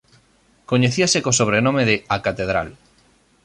Coñecíase co sobrenome de "A Catedral".